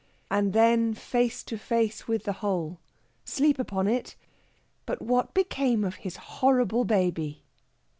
AND THEN FACE TO FACE WITH THE WHOLE. SLEEP UPON IT! BUT WHAT BECAME OF HIS HORRIBLE BABY?